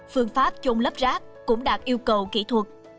phương pháp chôn lấp rác cũng đạt yêu cầu kỹ thuật